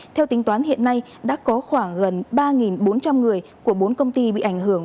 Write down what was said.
theo tính toán hiện nay đã có khoảng gần ba bốn trăm linh người của bốn công ty bị ảnh hưởng